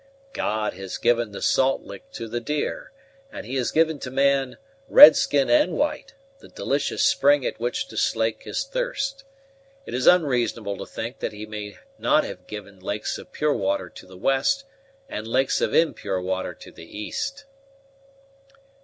"God has given the salt lick to the deer; and He has given to man, red skin and white, the delicious spring at which to slake his thirst. It is unreasonable to think that He may not have given lakes of pure water to the west, and lakes of impure water to the east."